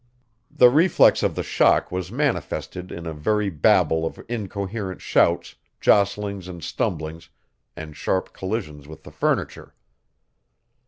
The reflex of the shock was manifested in a very babel of incoherent shouts, jostlings and stumblings and sharp collisions with the furniture.